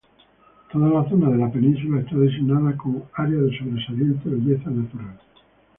Toda la zona de la península está designada como Área de Sobresaliente Belleza Natural.